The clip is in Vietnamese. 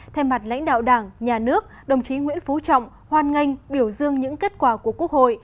thay mặt lãnh đạo đảng nhà nước đồng chí nguyễn phú trọng hoan nghênh biểu dương những kết quả của quốc hội